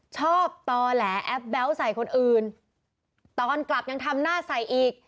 ต่อแหลแอปแบ๊วใส่คนอื่นตอนกลับยังทำหน้าใส่อีก